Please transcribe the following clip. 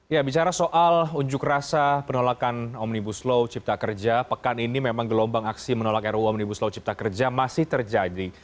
ya bicara soal unjuk rasa penolakan omnibus law cipta kerja pekan ini memang gelombang aksi menolak ruu omnibus law cipta kerja masih terjadi